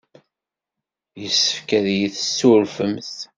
Yessefk ad iyi-tessurfemt.